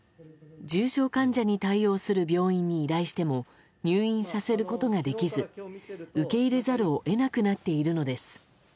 重症患者に対応する病院に依頼しても入院させることができず受け入れざるを得なくなっているのです。